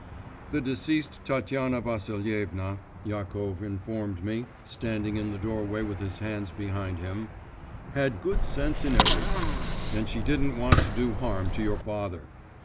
'"The deceased Tatiana Vassilievna," Yakov informed me, standing in the doorway with his hands behind him, "had good sense in everything, and she didn't want to do harm to your father.